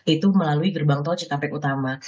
itu melalui gerbang tol cikampek utama